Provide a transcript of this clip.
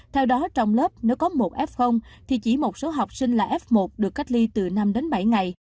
theo đó trong lớp nếu có một f thì chỉ một số học sinh là f một được cách ly từ năm đến bảy ngày